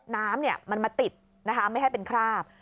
น้ำมันมาติดนะคะไม่ให้เป็นคราบ